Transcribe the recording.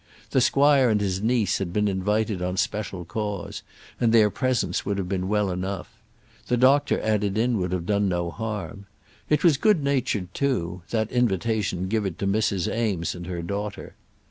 The squire and his niece had been invited on special cause, and their presence would have been well enough. The doctor added in would have done no harm. It was good natured, too, that invitation given to Mrs. Eames and her daughter.